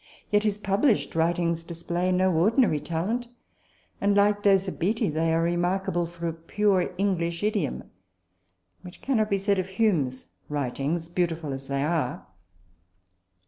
Yet his published writings display no ordinary talent ; and, like those of Beattie, they are remarkable for a pure English idiom which cannot be said of Hume's writings, beautiful as they are.